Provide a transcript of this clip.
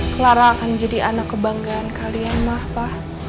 clara akan jadi anak kebanggaan kalian mak pa